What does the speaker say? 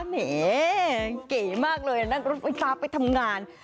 แหมเก๋มากเลยนั่งรถไฟฟ้าไปทำงาน